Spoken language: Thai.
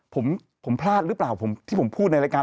ผมผมพลาดหรือเปล่าผมที่ผมพูดในรายการ